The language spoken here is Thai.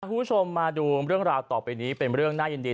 คุณผู้ชมมาดูเรื่องราวต่อไปนี้เป็นเรื่องน่ายินดี